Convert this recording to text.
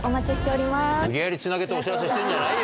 無理やりつなげてお知らせしてんじゃないよ！